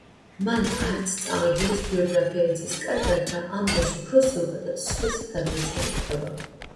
მან არც წამებულის ბიოგრაფია იცის კარგად და ამბავს უფრო ზოგადად, სხვისი გადმოცემით ყვება.